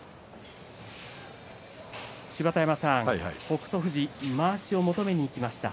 芝田山さん、北勝富士まわしを求めにいきました。